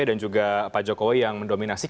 dan juga pak jokowi yang mendominasi